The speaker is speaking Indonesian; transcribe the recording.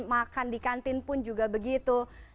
makan di kantin pun juga begitu